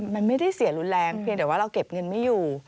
มันไม่ได้เสียรุนแรงเพียงแต่ว่าเราเก็บเงินไม่อยู่